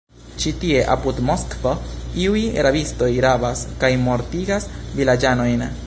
Ĉi tie, apud Moskvo, iuj rabistoj rabas kaj mortigas vilaĝanojn!